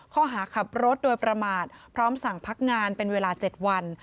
ข้อหาขับรถโดยประมาทพร้อมสั่งพักงานเป็นเวลา๗วัน